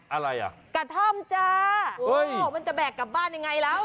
อะไรอ่ะกระท่อมจ้าโอ้ยมันจะแบกกลับบ้านยังไงแล้ว